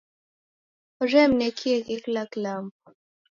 Oremnekieghe kila kilambo.